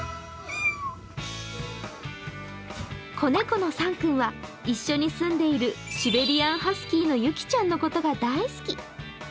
子猫のサン君は一緒に住んでいるシベリアンハスキーのユキちゃんのことが大好き。